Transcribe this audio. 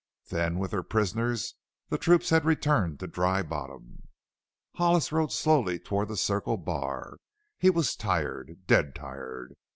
Then with their prisoners the troops had returned to Dry Bottom. Hollis rode slowly toward the Circle Bar. He was tired dead tired.